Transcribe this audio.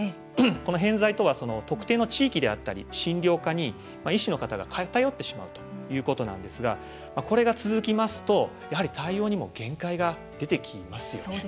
この偏在とは特定の地域であったり診療科に医師の方が偏ってしまうということなんですがこれが続きますとやはり対応にも限界が出てきますよね。